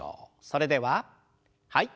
それでははい。